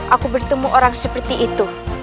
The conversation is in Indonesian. aku bertemu orang seperti itu